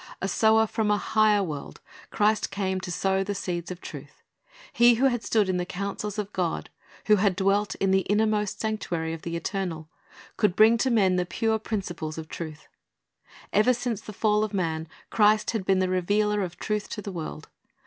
A sower from a higher world, Christ came to sow the seeds of truth. He who had stood in the councils of God, who had dwelt in the innermost sanctuary of the Eternal, could bring to men the pure principles of truth. Ever since the fall of man, Christ had been the Revealer of truth to the world.